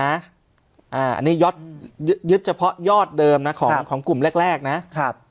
อันนี้ยึดเฉพาะยอดเดิมของกลุ่มแรกนะ